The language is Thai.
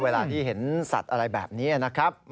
เวลาที่เห็นสัตว์อะไรแบบนี้นะครับ